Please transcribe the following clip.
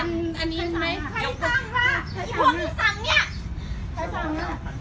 ไม่ใช่ที่คุยกันที่แรกคือในโยงกับผู้กำกับ